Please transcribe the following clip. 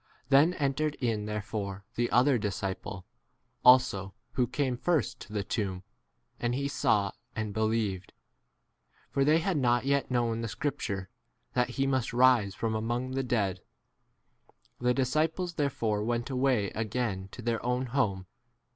Then entered in therefore the other disciple also who came first to the tomb, and 9 he saw and believed ; for they had not yet known the scripture, that he must rise from among [the] 10 dead. The disciples therefore went away again to their own 11 [home.